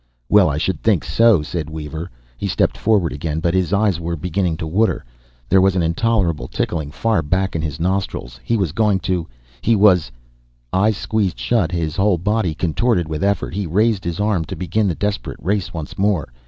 "Well, I should think so!" said Weaver. He stepped forward again But his eyes were beginning to water. There was an intolerable tickling far back in his nostrils. He was going to he was Eyes squeezed shut, his whole body contorted with effort, he raised his arm to begin the desperate race once more.